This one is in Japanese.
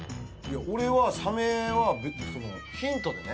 俺はサメはそのヒントでね